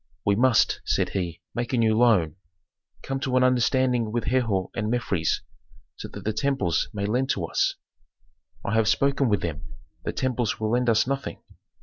"We must," said he, "make a new loan. Come to an understanding with Herhor and Mefres, so that the temples may lend to us." "I have spoken with them. The temples will lend us nothing."